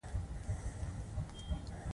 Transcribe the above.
د جمعي لمونځ په هر بالغ نارينه فرض دی